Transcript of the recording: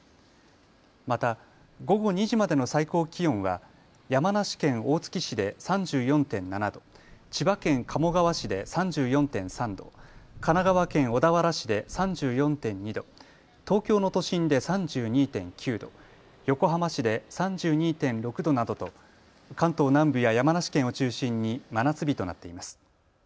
また午後２時までの最高気温は山梨県大月市で３４．７度、千葉県鴨川市で３４．３度、神奈川県小田原市で３４．２度、東京の都心で３２．９度、横浜市で３２．６度などと関東南部や山梨県を中心に真夏日となっています。